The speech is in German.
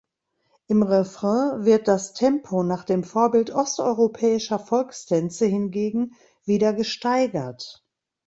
Im Refrain wird das Tempo nach dem Vorbild osteuropäischer Volkstänze hingegen wieder gesteigert.